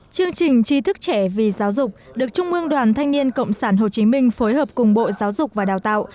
chương trình tri thức trẻ vì giáo dục được trung mương đoàn thanh niên cộng sản hồ chí minh phối hợp cùng bộ giáo dục và đào tạo